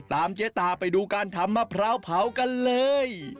เจ๊ตาไปดูการทำมะพร้าวเผากันเลย